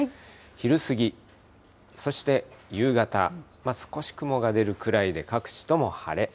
昼過ぎ、そして夕方、少し雲が出るくらいで、各地とも晴れ。